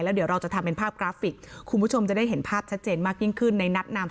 เดี๋ยวเราจะทำเป็นภาพกราฟิกคุณผู้ชมจะได้เห็นภาพชัดเจนมากยิ่งขึ้นในนัดนาม